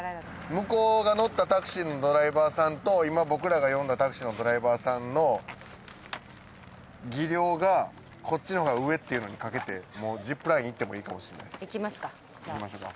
向こうが乗ったタクシーのドライバーさんと今僕らが呼んだタクシーのドライバーさんの技量がこっちのほうが上っていうのに賭けてもう行きますかじゃあ。